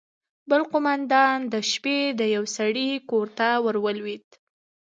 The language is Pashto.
بل قومندان د شپې د يوه سړي کور ته ورولوېد.